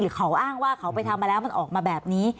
เขาอ้างว่าเขาไปทำมาแล้วมันออกมาแบบนี้